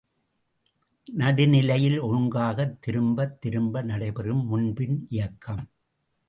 நடுநிலையில் ஒழுங்காகத் திரும்பத் திரும்ப நடைபெறும் முன்பின் இயக்கம்.